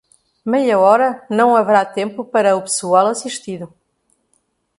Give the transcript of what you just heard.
Meia hora não haverá tempo para o pessoal assistido.